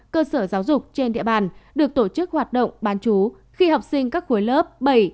cơ sở giáo dục trên địa bàn được tổ chức hoạt động bán chú khi học sinh các khối lớp bảy